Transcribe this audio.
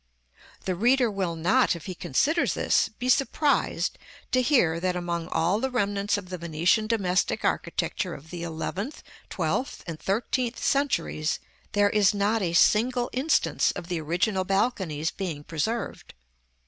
The reader will not, if he considers this, be surprised to hear that, among all the remnants of the Venetian domestic architecture of the eleventh, twelfth, and thirteenth centuries, there is not a single instance of the original balconies being preserved.